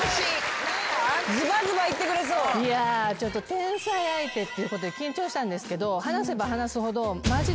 天才相手っていうことで緊張したんですけど。